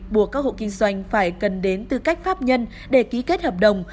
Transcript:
buộc các hộ kinh doanh phải cần đến tư cách pháp nhân để ký kết hợp đồng